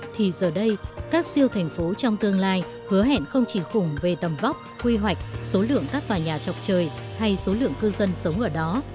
thì giờ đây các siêu thành phố trong tương lai hứa hẹn không chỉ khủng về tầm vóc quy hoạch số lượng các tòa nhà chọc trời hay số lượng cư dân sống ở đó